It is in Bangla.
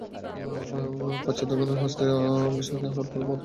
পাশ্চাত্যগণের হস্তে অঙ্গহানি হওয়ার পূর্বে এই মতবাদটি সর্বজনীন ছিল।